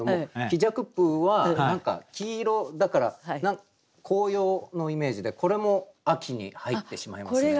「きじゃくぷう」は何か黄色だから紅葉のイメージでこれも秋に入ってしまいますね。